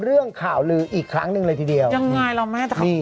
เรื่องข่าวลืออีกครั้งหนึ่งเลยทีเดียวยังไงล่ะแม่ตอนนี้